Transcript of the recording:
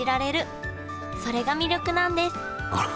それが魅力なんですあら！